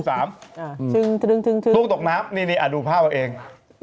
ตรงตกน้ำนี่นี่ดูภาพเอง